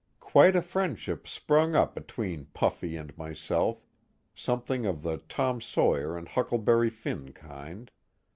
Quite a friendship sprung up between Puffy " and myself, something of the Tom Sawyer and Huckleberry Finn kind.